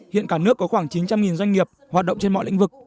hiện cả nước có khoảng chín trăm linh doanh nghiệp hoạt động trên mọi lĩnh vực